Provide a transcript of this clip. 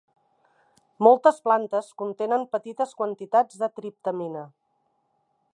Moltes plantes contenen petites quantitats de triptamina.